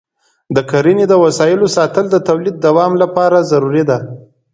د کرني د وسایلو ساتنه د تولید دوام لپاره ضروري ده.